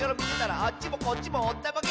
「あっちもこっちもおったまげ！」